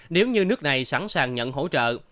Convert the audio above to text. nếu như nước này sẵn sàng nhận hỗ trợ